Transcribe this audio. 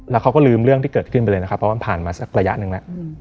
แล้วเขาก็ลืมเรื่องที่เกิดขึ้นไปเลยนะครับเพราะมันผ่านมาสักระยะหนึ่งแล้ว